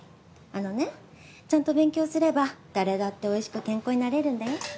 あのねちゃんと勉強すれば誰だっておいしく健康になれるんだよ。